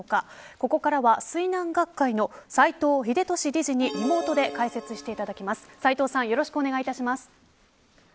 ここからは水難学会の斎藤秀俊理事にリモートで解説していただきます。